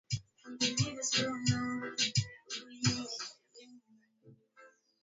Brigedia Sylvain Ekenge jeshi la Demokrasia ya Kongo lilisema kwamba